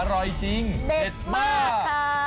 อร่อยจริงเด็ดมาก